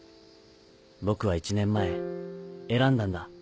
僕は１年前選んだんだ